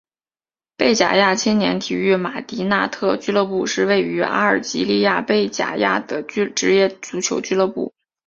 贝贾亚青年体育马迪纳特俱乐部是位于阿尔及利亚贝贾亚的职业足球俱乐部。